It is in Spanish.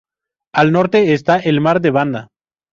Al norte está el mar de Banda.